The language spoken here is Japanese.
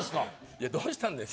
いや「どうしたんですか」